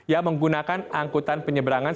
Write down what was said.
yang menggunakan angkutan penyeberangan